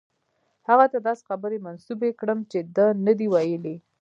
هغه ته داسې خبرې منسوبې کړم چې ده نه دي ویلي.